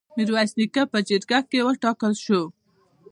میرویس نیکه په جرګه وټاکل شو.